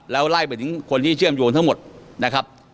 แล้วไล่ไปถึงคนที่เชื่อมโยงทั้งหมดนะครับ